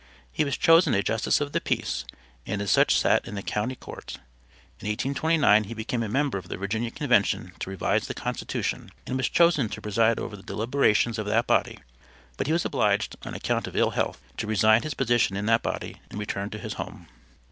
He was chosen a justice of the peace, and as such sat in the county court. In 1829 he became a member of the Virginia convention to revise the constitution, and was chosen to preside over the deliberations of that body but he was obliged, on account of ill health, to resign his position in that body and return to his home.